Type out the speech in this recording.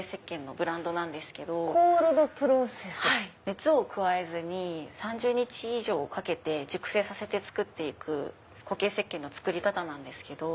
熱を加えずに３０日以上かけて熟成させて作って行く固形せっけんの作り方なんですけど。